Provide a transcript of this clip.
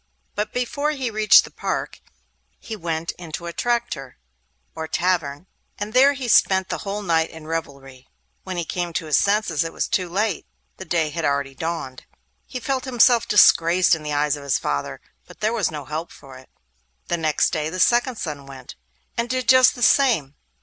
But before he reached the park, he went into a traktir (or tavern), and there he spent the whole night in revelry. When he came to his senses it was too late; the day had already dawned. He felt himself disgraced in the eyes of his father, but there was no help for it. The next day the second son went, and did just the same.